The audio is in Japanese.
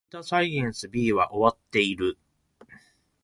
データサイエンス B は終わっている